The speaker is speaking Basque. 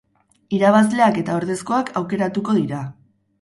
Irabazleak eta ordezkoak aukeratuko dira.